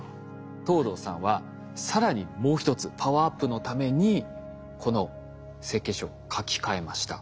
藤堂さんは更にもう１つパワーアップのためにこの設計書を書き換えました。